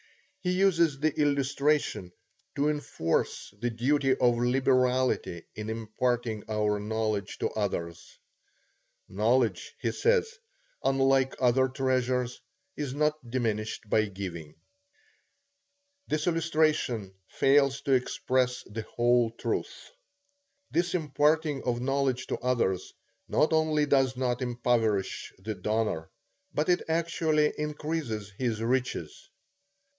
He uses the illustration to enforce the duty of liberality in imparting our knowledge to others. Knowledge, he says, unlike other treasures, is not diminished by giving. The illustration fails to express the whole truth. This imparting of knowledge to others, not only does not impoverish the donor, but it actually increases his riches.